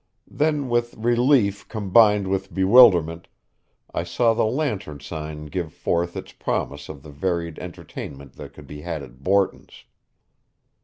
Then with relief combined with bewilderment, I saw the lantern sign give forth its promise of the varied entertainment that could be had at Borton's.